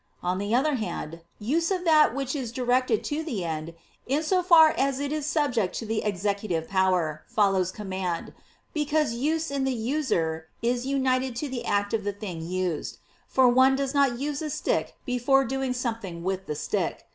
On the other hand, use of that which is directed to the end, in so far as it is subject to the executive power, follows command; because use in the user is united to the act of the thing used; for one does not use a stick before doing something with the stick.